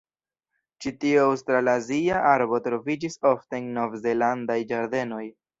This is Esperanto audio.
Ĉi tiu aŭstralazia arbo troviĝis ofte en nov-zelandaj ĝardenoj.